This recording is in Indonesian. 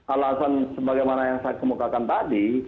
alasan sebagaimana yang saya kemukakan tadi